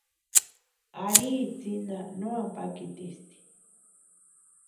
Ari itsïnha no ampakitisti.